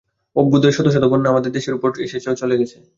অভ্যুদয়ের শত শত বন্যা আমাদের দেশের উপর এসেছে ও চলে গেছে।